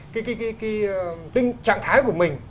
cái trạng thái của mình